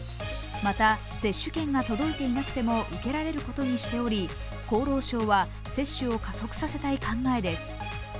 また、接種券が届いていなくても受けられることにしており、厚労省は接種を加速させたい考えです。